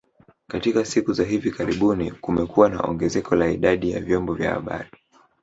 Katika siku za hivi karibuni kumekuwa na ongezeko la idadi ya vyombo vya habari